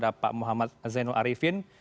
ada pak muhammad zainul arifin